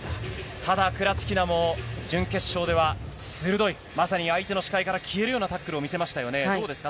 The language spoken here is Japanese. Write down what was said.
ただ、クラチキナも、準決勝では鋭い、まさに相手の視界から消えるようなタックルを見せましたよね。